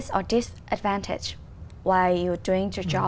các dự án sẽ thường xảy ra